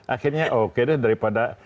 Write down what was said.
akhirnya oke deh daripada